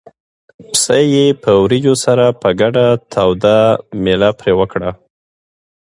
پسه یې په وریجو سره په ګډه توده مېله پرې وکړه.